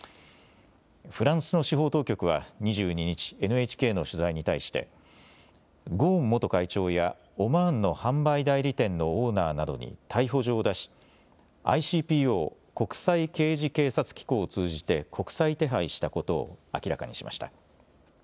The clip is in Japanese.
フランスの司法当局は２２日、ＮＨＫの取材に対してゴーン元会長やオマーンの販売代理店のオーナーなどに逮捕状を出しＩＣＰＯ・国際刑事警察機構を通じて国際手配したことを明らかにしました。